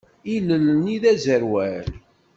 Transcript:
Ilel-nni d aẓerwal.